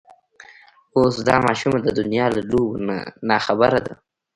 اوس دا ماشومه د دنيا له لوبو نه ناخبره ده.